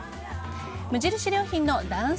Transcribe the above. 無印良品のダウン